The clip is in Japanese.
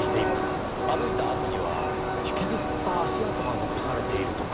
歩いたあとには引きずった足跡が残されているとか。